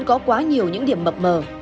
có quá nhiều những điểm mập mờ